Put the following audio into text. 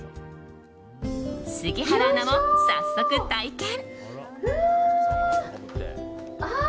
杉原アナも早速、体験。